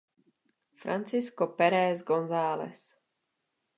Francisco Pérez González.